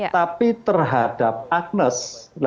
tapi terhadap agnes